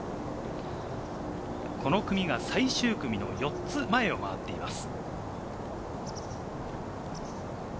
この組が最終組の４つ前を回っています。